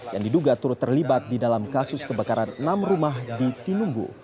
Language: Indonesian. yang diduga turut terlibat di dalam kasus kebakaran enam rumah di tinumbu